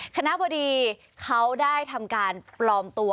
คณะบดีเขาได้ทำการปลอมตัว